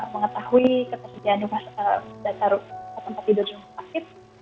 mengetahui ketersediaan rumah sakit